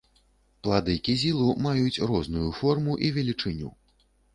Плады кізілу маюць розную форму і велічыню.